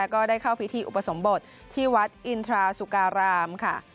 ก็ได้เข้าพิธีอุปสมบทที่วัดอินทราสุการามค่ะ